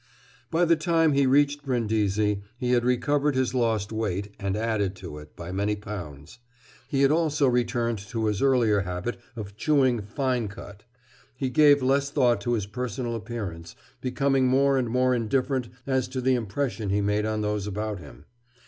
By the time he reached Brindisi he had recovered his lost weight, and added to it, by many pounds. He had also returned to his earlier habit of chewing "fine cut." He gave less thought to his personal appearance, becoming more and more indifferent as to the impression he made on those about him.